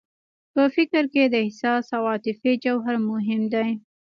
په فکر کې د احساس او عاطفې جوهر مهم دی.